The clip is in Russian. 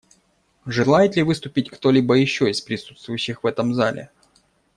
Желает ли выступить кто-либо еще из присутствующих в этом зале?